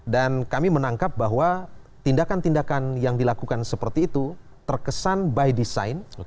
dan kami menangkap bahwa tindakan tindakan yang dilakukan seperti itu terkesan by design